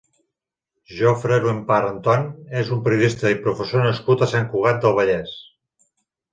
Jofre Llombart Anton és un periodista i professor nascut a Sant Cugat del Vallès.